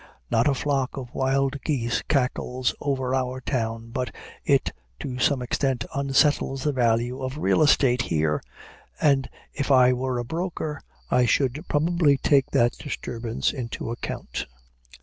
Not a flock of wild geese cackles over our town, but it to some extent unsettles the value of real estate here, and, if I were a broker, I should probably take that disturbance into account.